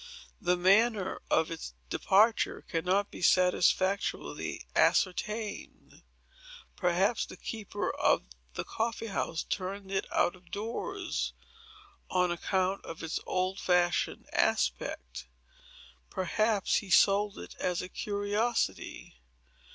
The manner of its departure cannot be satisfactorily ascertained. Perhaps the keeper of the Coffee House turned it out of doors, on account of its old fashioned aspect. Perhaps he sold it as a curiosity.